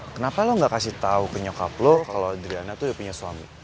kenapa lo gak kasih tau ke nyokap lo kalau adriana tuh udah punya suami